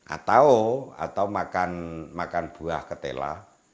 atau makan buah ketela